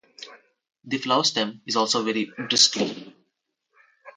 The flower stem is also very bristly.